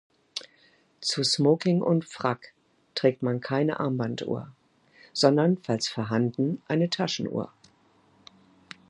Zu Smoking und Frack trägt man keine Armbanduhr, sondern, falls vorhanden, eine Taschenuhr.